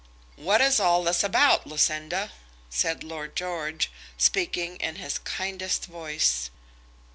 "What is all this about, Lucinda?" said Lord George, speaking in his kindest voice.